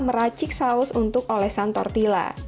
meracik saus untuk olesan tortilla